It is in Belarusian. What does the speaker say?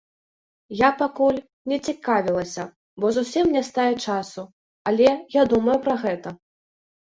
Я пакуль не цікавілася, бо зусім не стае часу, але я думаю пра гэта.